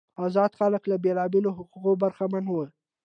آزاد خلک له بیلابیلو حقوقو برخمن وو.